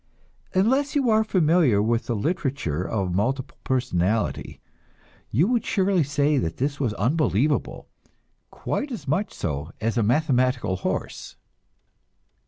Unless you are familiar with the literature of multiple personality, you would surely say that this was unbelievable quite as much so as a mathematical horse!